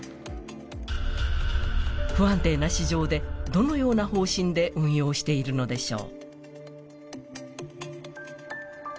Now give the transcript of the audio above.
不安定な市場で、どのような方針で運用しているのでしょう。